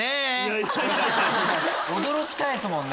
驚きたいっすもんね。